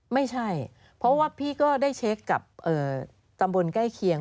ไม่ใช่เพราะว่าพี่ก็ได้เช็คกับตำบลใกล้เคียง